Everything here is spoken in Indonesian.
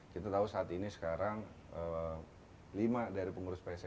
kita tahu saat ini sekarang lima dari pengurus pssi